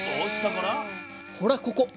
ほらここ！